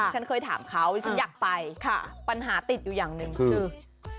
ฉันเคยถามเขาที่ฉันอยากไปปัญหาติดอยู่อย่างหนึ่งคือ